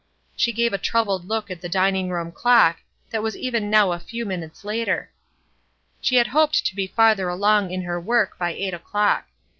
She gave a troubled look at the dining room clock, that was even a few minutes later; she had hoped to be farther along in her work by eight o'clock.